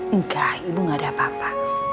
enggak ibu gak ada apa apa